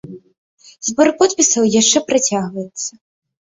Збор подпісаў яшчэ працягваецца.